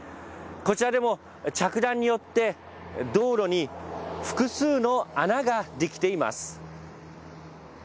こちらでも着弾によって、道路に複数の穴が出来ています。